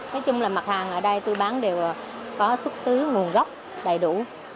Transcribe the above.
nói chung là mặt hàng ở đây tôi bán đều có xuất xứ nguồn gốc đầy đủ